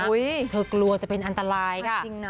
อุ้ยเธอกลัวจะเป็นอันตรายค่ะจริงนะ